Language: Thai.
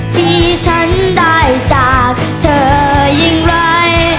ที่ฉันได้จากเธอยิ่งไว้